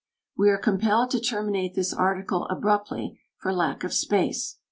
We are compelled to terminate this article abruptly for lack of space.